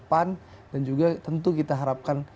pan dan juga tentu kita harapkan